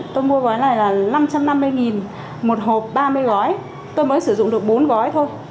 tôi mua gói này là năm trăm năm mươi một hộp ba mươi gói tôi mới sử dụng được bốn gói thôi